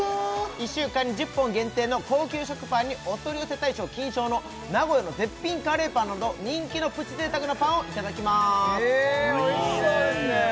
１週間に１０本限定の高級食パンにお取り寄せ大賞金賞の名古屋の絶品カレーパンなど人気のプチ贅沢なパンをいただきまーすへえおいしそうですね